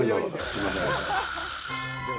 すいません。